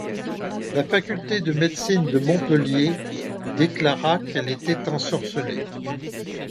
La faculté de médecine de Montpellier déclara qu'elle était ensorcellée.